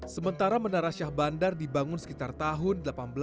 sementara menara syah bandar dibangun sekitar tahun seribu delapan ratus sembilan puluh